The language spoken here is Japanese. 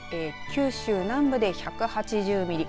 九州南部で１８０ミリ。